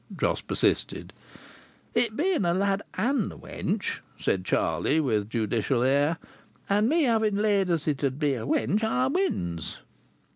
Jos persisted. "It being a lad and a wench," said Charlie, with a judicial air, "and me 'aving laid as it 'ud be a wench, I wins."